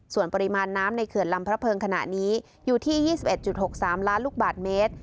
ส่วนปริมาณน้ำในเขื่อนลำพระเพิงขณะนี้อยู่ที่๒๑๖๓ล้านลูกบาทเมตร